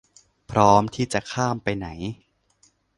พร้อมที่จะข้ามไปไหม